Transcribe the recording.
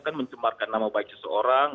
kan mencemarkan nama baik seseorang